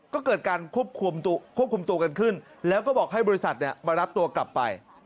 ก็เกิดการควบคุมตัวกันขึ้นแล้วก็บอกให้บริษัทมารับตัวกลับไป